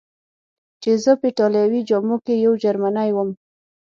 چې زه په ایټالوي جامو کې یو جرمنی ووم.